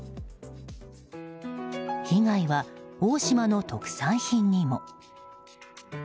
被害は大島の特産品にも。